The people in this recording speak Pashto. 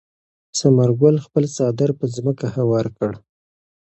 ثمر ګل خپل څادر پر ځمکه هوار کړ.